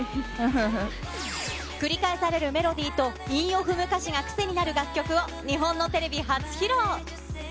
繰り返されるメロディーと、韻を踏む歌詞が癖になる楽曲を日本のテレビ初披露。